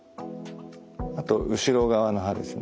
あと後ろ側の歯ですね。